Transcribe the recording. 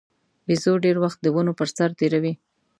بیزو ډېر وخت د ونو پر سر تېروي.